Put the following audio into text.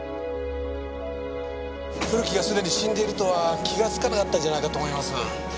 古木がすでに死んでいるとは気がつかなかったんじゃないかと思います。